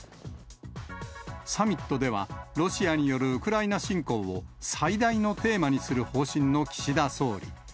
サミットでは、ロシアによるウクライナ侵攻を最大のテーマにする方針の岸田総理。